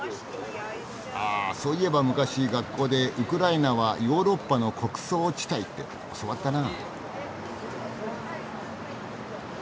あそういえば昔学校でウクライナは「ヨーロッパの穀倉地帯」って教わったなあ。